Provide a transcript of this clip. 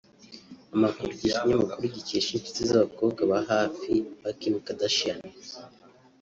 Amakuru iki kinyamakuru gikesha inshuti z’abakobwa ba hafi ba Kim Kardashian